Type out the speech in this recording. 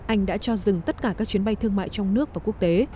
anh đã cho dừng tất cả các chuyến bay thương mại trong nước và quốc tế